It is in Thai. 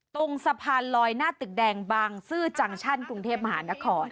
ตรงสะพานลอยหน้าตึกแดงบางซื่อจังชั่นกรุงเทพมหานคร